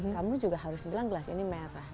kamu juga harus bilang gelas ini merah